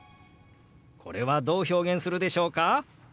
これはどう表現するでしょうか？